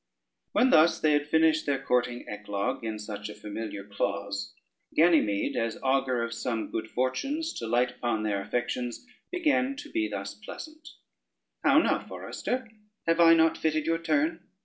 When thus they had finished their courting eclogue in such a familiar clause, Ganymede, as augur of some good fortunes to light upon their affections, began to be thus pleasant: "How now, forester, have I not fitted your turn?